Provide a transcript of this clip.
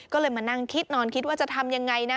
ก็เลยมานั่งคิดนอนคิดว่าจะทำยังไงนะ